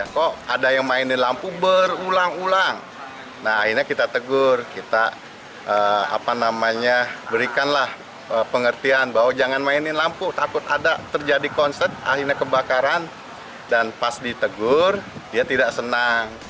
kok ada yang main di lampu berulang ulang nah akhirnya kita tegur kita apa namanya berikanlah pengertian bahwa jangan mainin lampu takut ada terjadi konser akhirnya kebakaran dan pas ditegur dia tidak senang